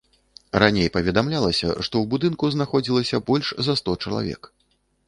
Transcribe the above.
Раней паведамлялася, што ў будынку знаходзілася больш за сто чалавек.